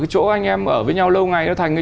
chỗ anh em ở với nhau lâu ngày nó thành